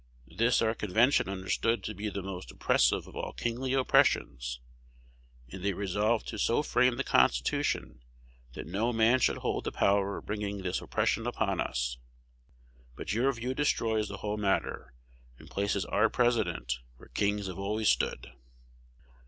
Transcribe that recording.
This our convention understood to be the most oppressive of all kingly oppressions; and they resolved to so frame the Constitution that no one man should hold the power of bringing this oppression upon us. But your view destroys the whole matter, and places our President where kings have always stood.